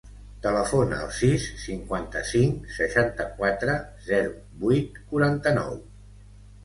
Telefona al sis, cinquanta-cinc, seixanta-quatre, zero, vuit, quaranta-nou.